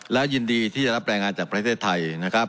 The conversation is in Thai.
และยินดีที่จะรับแรงงานจากประเทศไทยนะครับ